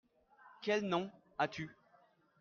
Quel nom as-tu ?